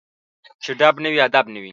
چي ډب نه وي ، ادب نه وي